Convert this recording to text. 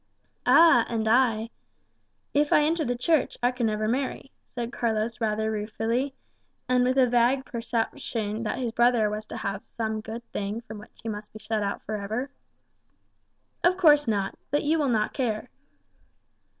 "Ah, and I if I enter the Church, I can never marry," said Carlos rather ruefully, and with a vague perception that his brother was to have some good thing from which he must be shut out for ever. "Of course not; but you will not care."